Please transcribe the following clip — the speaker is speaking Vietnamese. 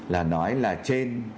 là nói là trên